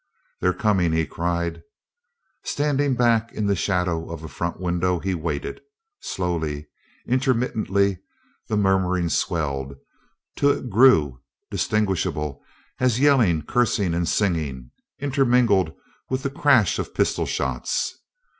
"They're coming!" he cried. Standing back in the shadow of a front window, he waited. Slowly, intermittently, the murmuring swelled, till it grew distinguishable as yelling, cursing, and singing, intermingled with the crash of pistol shots.